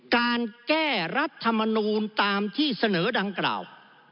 การแก้รัฐมนูลตามที่เสนอดังกล่าว